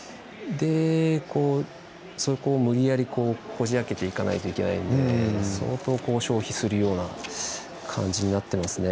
そこを無理やりこじ開けていかないといけないので相当消費するような感じになっていますね。